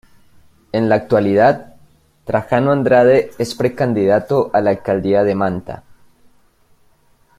En la actualidad, Trajano Andrade es precandidato a la Alcaldía de Manta.